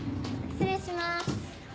失礼します。